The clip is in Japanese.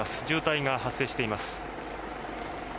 渋滞が発生しています。